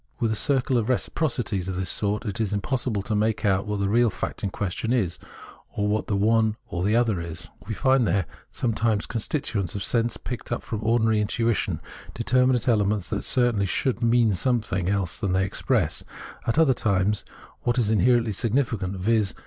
With a circle of reciprocities of this sort it is impossible to make out what the real fact in question is, or what the one or the other is. We find there sometimes constituents of sense picked up from ordinary intuition, determinate elements that certainly should mean some thing else than they express ; at other times what is inherently significant, viz.